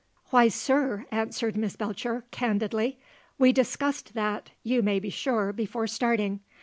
"Why, sir," answered Miss Belcher, candidly, "we discussed that, you may be sure, before starting.